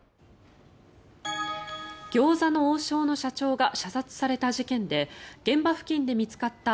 餃子の王将の社長が射殺された事件で現場付近で見つかった